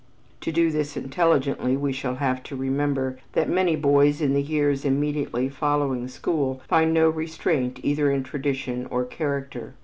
To do this intelligently, we shall have to remember that many boys in the years immediately following school find no restraint either in tradition or character.